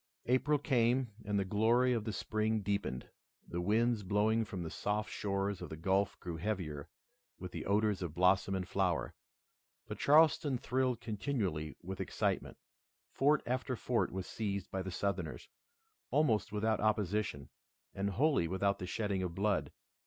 April came, and the glory of the spring deepened. The winds blowing from the soft shores of the Gulf grew heavier with the odors of blossom and flower. But Charleston thrilled continually with excitement. Fort after fort was seized by the Southerners, almost without opposition and wholly without the shedding of blood.